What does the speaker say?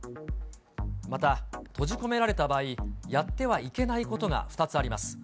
また閉じ込められた場合、やってはいけないことが２つあります。